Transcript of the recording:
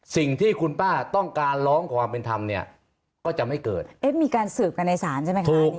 สิ่งที่คุณป้าต้องการร้องความเป็นธรรมเนี่ยก็จะไม่เกิดเอ๊ะมีการสืบกันในศาลใช่ไหมคะ